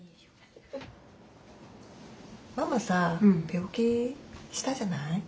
ママさ病気したじゃない？